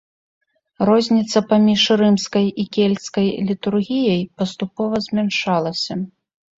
Розніца паміж рымскай і кельцкай літургіяй паступова змяншалася.